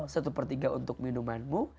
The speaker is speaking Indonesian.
satu per tiga untuk minumanmu